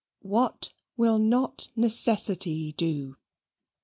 What will not necessity do?